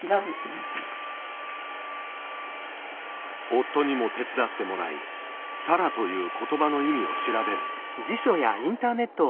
夫にも手伝ってもらい「さら」という言葉の意味を調べる。